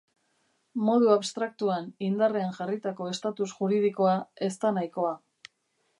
Modu abstraktuan indarrean jarritako estatus juridikoa ez da nahikoa.